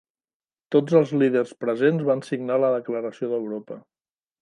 Tots els líders presents van signar la Declaració d'Europa.